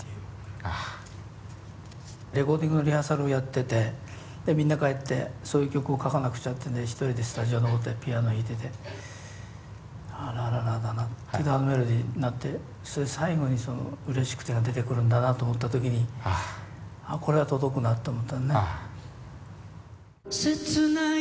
レコーディングのリハーサルをやっててでみんな帰ってそういう曲を書かなくちゃってんで一人でスタジオ残ってピアノ弾いてて「ｌａｌａｌａ」ってメロディーになってそれで最後にその「嬉しくて」が出てくるんだなと思った時にこれは届くなって思ったのね。